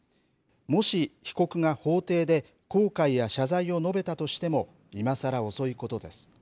もし、被告が法廷で後悔や謝罪を述べたとしても、いまさら遅いことです。